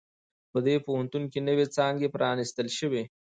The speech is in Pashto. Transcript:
په دې پوهنتون کې نوی څانګي پرانیستل شوي